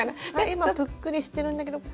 今ぷっくりしてるんだけどこれを。